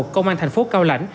công an tp cao lãnh